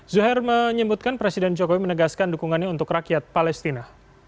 zuher menyebutkan presiden jokowi menegaskan dukungannya untuk rakyat palestina